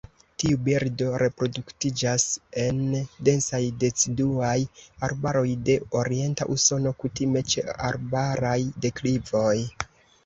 Tiu birdo reproduktiĝas en densaj deciduaj arbaroj de orienta Usono, kutime ĉe arbaraj deklivoj.